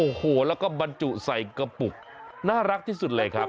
โอ้โหแล้วก็บรรจุใส่กระปุกน่ารักที่สุดเลยครับ